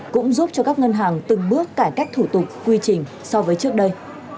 cũng giúp cho các ngân hàng từng bước cải cách thủ tục quy trình so với trước đây